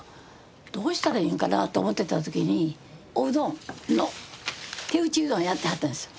どうしたらいいんかなと思ってた時におうどんの手打ちうどんやってはったんですよ。